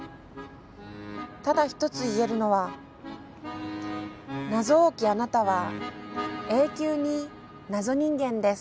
ただ一つ言えるのは謎多きあなたは永久に謎人間です」。